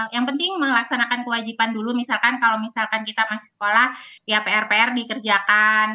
yang penting melaksanakan kewajiban dulu misalkan kalau misalkan kita masih sekolah ya pr pr dikerjakan